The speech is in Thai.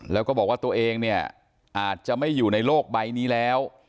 แล้วก็บอกว่าตัวเองเนี่ยอาจจะไม่อยู่ในโลกใบนี้แล้ว